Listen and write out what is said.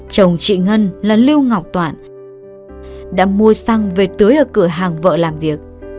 chồng chị ngân là lưu ngọc toạn đã mua xăng về tưới ở cửa hàng vợ làm việc